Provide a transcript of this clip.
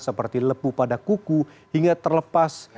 seperti lepu pada kuku hingga terlepas